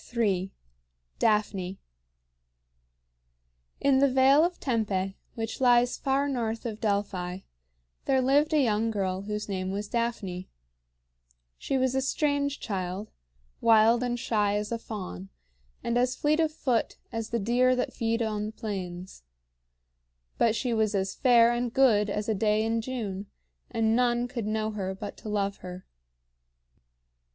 III. DAPHNE. In the Vale of Tempe, which lies far north of Delphi, there lived a young girl whose name was Daphne. She was a strange child, wild and shy as a fawn, and as fleet of foot as the deer that feed on the plains. But she was as fair and good as a day in June, and none could know her but to love her.